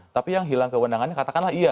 tapi yang hilang kewenangannya katakanlah iya